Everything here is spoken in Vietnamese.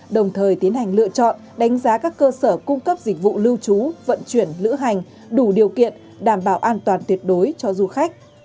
đồng thời tiến hành lựa chọn đánh giá các cơ sở cung cấp dịch vụ lưu trú vận chuyển lữ hành đủ điều kiện đảm bảo an toàn tuyệt đối cho du khách